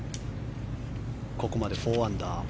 ここまで４アンダー。